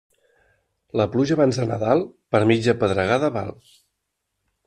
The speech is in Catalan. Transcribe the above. La pluja abans de Nadal, per mitja pedregada val.